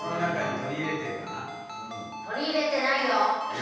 取り入れてないよ。